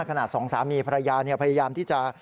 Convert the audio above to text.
สองสามีภรรยาพยายามที่จะ